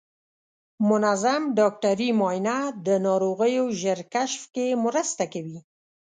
منظم ډاکټري معاینه د ناروغیو ژر کشف کې مرسته کوي.